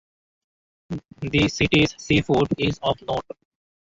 The city's seafood is of note.